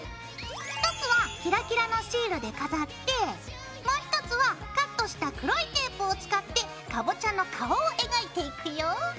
１つはキラキラのシールで飾ってもう１つはカットした黒いテープを使ってかぼちゃの顔を描いていくよ。